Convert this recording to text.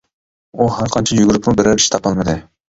ئۇ ھەر قانچە يۈگۈرۈپمۇ بىرەر ئىش تاپالمىدى.